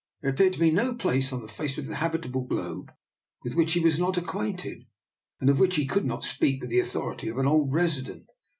There appeared to be no place on the face of the habitable globe with which he was not acquainted, and of which he could not Speak with the authority of an old resident.